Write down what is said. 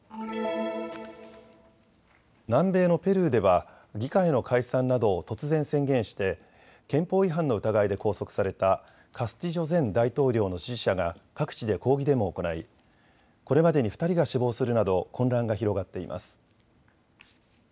南米のペルーでは議会の解散などを突然宣言して憲法違反の疑いで拘束されたカスティジョ前大統領の支持者が各地で抗議デモを行いこれまでに２人が死亡するなど混乱が広がっています。